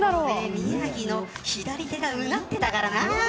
宮城の左手がうなってたからな。